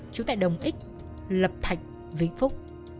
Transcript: chú tại đồng x lập thạch vĩnh phúc